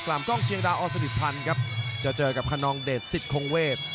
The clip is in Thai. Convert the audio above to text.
กลุ่มกล้องเชียงดาออสดิภัณฑ์ครับจะเจอกับคนนองเดชน์สิทธิ์คงเวท